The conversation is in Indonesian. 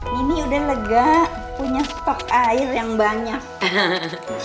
mini udah lega punya stok air yang banyak